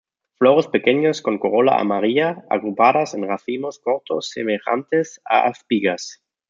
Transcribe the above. Flores pequeñas con corola amarilla, agrupadas en racimos cortos semejantes a espigas.